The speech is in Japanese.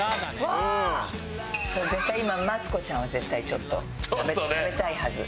絶対今マツコちゃんは絶対ちょっと食べたいはず。